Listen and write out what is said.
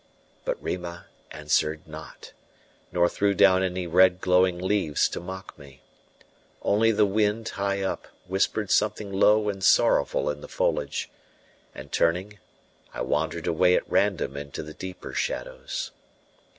But Rima answered not, nor threw down any red glowing leaves to mock me: only the wind, high up, whispered something low and sorrowful in the foliage; and turning, I wandered away at random into the deeper shadows.